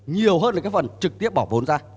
nhiều hơn là cái phần trực tiếp bỏ vốn ra